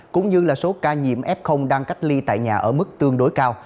cũng như là số ca nhiễm f đang cách ly tại nhà ở mức tương đối cao